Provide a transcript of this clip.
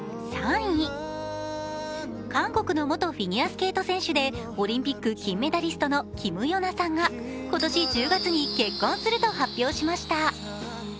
韓国の元フィギュアスケート選手でオリンピック金メダリストのキム・ヨナさんが今年１０月に結婚することを発表しました。